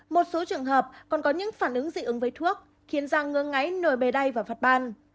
một số trường hợp còn có những phản ứng dị ứng với thuốc khiến ra ngương ngáy nồi bề đay và phạt ban